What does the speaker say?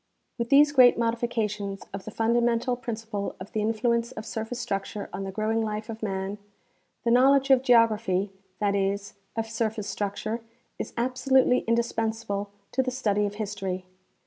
With these great modiflcations of the fundamental principle of the influence of surface structure on the growing life of man, the knowledge of geography — that is, of surface structure — is abso lutely indispensable to the study of history.